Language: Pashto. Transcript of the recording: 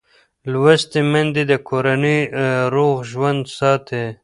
لوستې میندې د کورنۍ روغ ژوند ساتي.